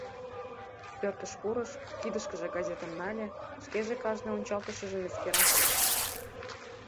Пӧртыш пурыш, кидышкыже газетым нале, шкеже кажнын ончалтышыжым эскера.